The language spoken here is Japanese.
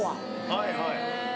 はいはい。